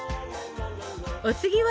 お次は？